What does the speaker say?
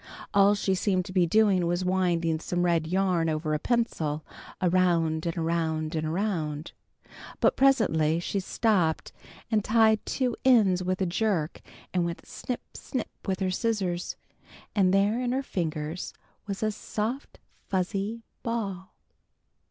All she seemed to be doing was winding some red yarn over a pencil, around and around and around. But presently she stopped and tied two ends with a jerk, and went snip, snip with her scissors, and there in her fingers was a soft fuzzy ball.